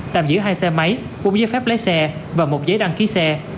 tạm giữ hai xe máy một giấy phép lấy xe và một giấy đăng ký xe